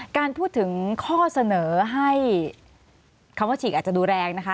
การพูดถึงข้อเสนอให้คำว่าฉีกอาจจะดูแรงนะคะ